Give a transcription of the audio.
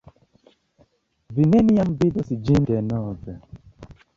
Vi neniam vidos ĝin denove.